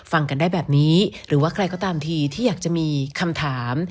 ฟังกันได้แบบนี้หรือว่าใครก็ตามทีที่อยากจะมีคำถาม